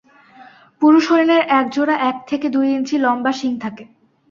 পুরুষ হরিণের এক জোড়া এক থেকে দুই ইঞ্চি লম্বা শিং থাকে।